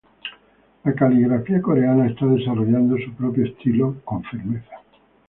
La caligrafía coreana está desarrollando su propio estilo, con firmeza.